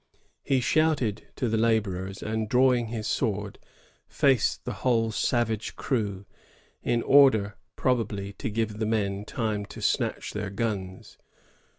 He shouted to the laborers, and, drawing his sword, faced the whole savage crew, in order,' prob ably, to give the men time to snatch their guns.